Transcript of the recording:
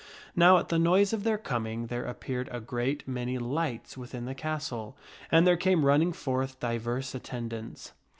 Now at the noise of their coming, there appeared a great many lights within the castle, and there came running forth divers attendants.